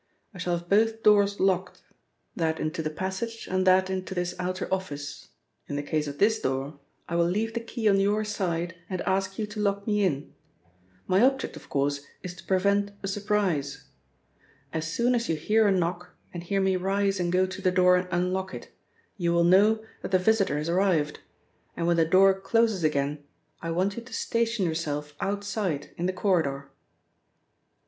I shall have both doors locked, that into the passage and that into this outer office. In the case of this door, I will leave the key on your side and ask you to lock me in. My object, of course, is to prevent a surprise. As soon as you hear a knock, and hear me rise and go to the door and unlock it, you will know that the visitor has arrived, and when the door closes again, I want you to station yourself outside in the corridor."